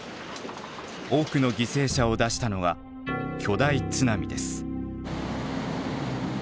多くの犠牲者を出したのは「巨大津波」です。